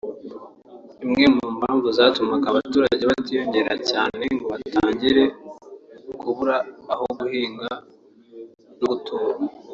Imwe mu mpamvu zatumaga abaturage batiyongera cyane ngo batangire kubura aho guhinga no gutura